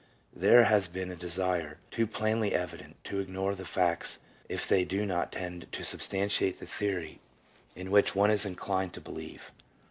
There has been a desire, too plainly evident, to ignore the facts if they do not tend to substantiate the theory in which one is inclined to believe.